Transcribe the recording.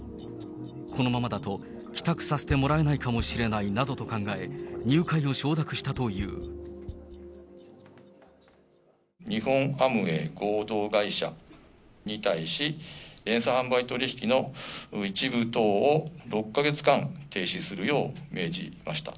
このままだと、帰宅させてもらえないかもしれないなどと考え、入会を承諾したと日本アムウェイ合同会社に対し、連鎖販売取引の一部等を６か月間停止するよう命じました。